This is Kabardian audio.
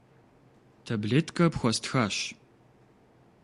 Таблеткэ пхуэстхащ.